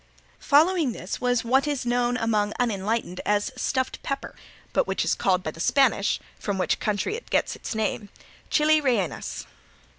Following this was what is known among unenlightened as "stuffed pepper," but which is called by the Spanish, from which country it gets its name, "chili reinas."